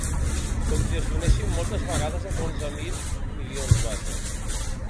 Com si es donessin moltes vegades els onzen mil milions, vaja.